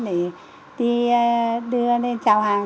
để đi đưa lên trào hàng